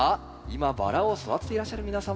今バラを育てていらっしゃる皆様。